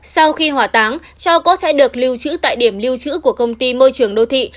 sau khi hỏa táng cho cốt sẽ được lưu trữ tại điểm lưu trữ của công ty môi trường đô thị